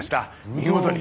見事に。